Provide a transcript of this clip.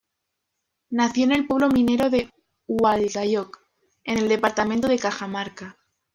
Nació en el pueblo minero de Hualgayoc, en el departamento de Cajamarca.